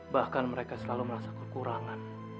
bahkan mereka selalu merasa kekurangan